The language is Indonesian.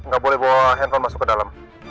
nggak boleh bawa handphone masuk ke dalam